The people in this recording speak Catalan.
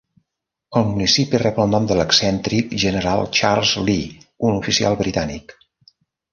El municipi rep el nom de l'excèntric General Charles Lee, un oficial britànic.